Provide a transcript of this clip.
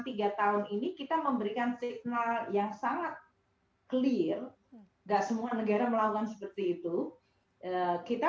tiga tahun ini kita memberikan signal yang sangat clear enggak semua negara melakukan seperti itu kita